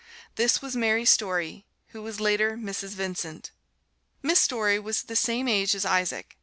This was Mary Story, who was later Mrs. Vincent. Miss Story was the same age as Isaac.